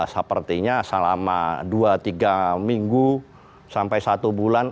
sepertinya selama dua tiga minggu sampai satu bulan